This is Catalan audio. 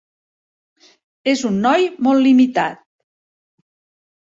És un noi molt limitat.